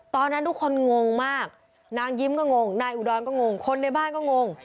ตอนนั้นทุกคนงงมากนางยิ้มก็งงนายอุดรก็งงคนในบ้านก็งง